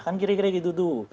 kan kira kira gitu tuh